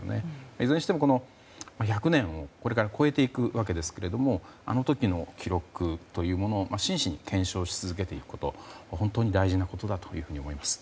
いずれにしても１００年をこれから超えていくわけですがあの時の記録というものを真摯に検証し続けていくこと本当に大事なことだと思います。